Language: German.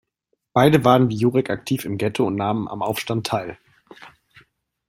Beide waren wie Jurek aktiv im Ghetto und nahmen am Aufstand teil.